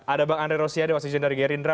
ada bang andre rosiade wasek jenpan dari gerindra